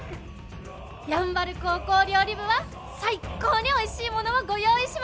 山原高校料理部は最高においしいものをご用意しました！